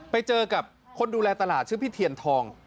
ไปเจอกับคนดูแลตลาดชื่อพี่เทียนทอง